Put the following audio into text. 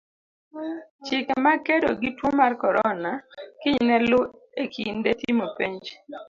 Chike mag kedo gi tuo mar korona kiny ne luu e kinde timo penj.